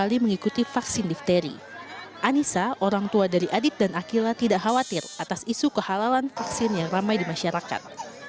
pemerintah tidak khawatir atas isu kehalalan vaksin yang ramai di masyarakat